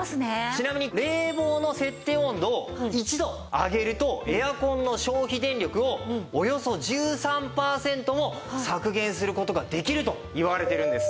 ちなみに冷房の設定温度を１度上げるとエアコンの消費電力をおよそ１３パーセントも削減する事ができるといわれてるんです。